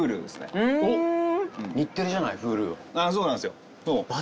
そうなんすよ。